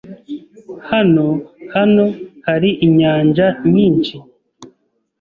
Hano hano hari inyanja nyinshi?